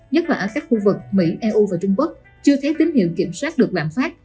nhất là ở các khu vực mỹ eu và trung quốc chưa thấy tín hiệu kiểm soát được lạm phát